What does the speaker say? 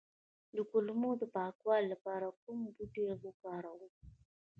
د کولمو د پاکوالي لپاره کوم بوټی وکاروم؟